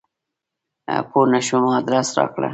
پوه نه شوم ادرس راکړه !